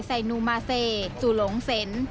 ไซนูมาเซสุโรงเซ็น